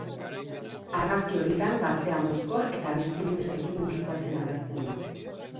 Argazki horietan gaztea mozkor eta beste bi neskekin musukatzen agertzen da.